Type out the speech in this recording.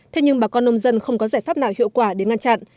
thế nhưng bà con nông dân không có giải pháp nào hiệu quả để ngăn chặn